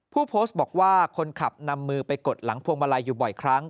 ผู้โพสต์บอกว่าคนขับนำมือไปกดหลังพวงมาลัยอยู่บ่อยครั้ง